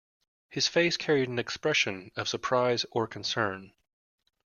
His face carried an expression of surprise or concern.